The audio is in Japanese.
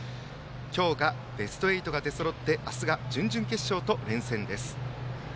今日、ベスト８が出そろって明日が準々決勝と連戦です。